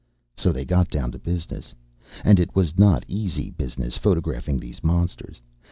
So they got down to business. And it was not easy business, photographing these monsters.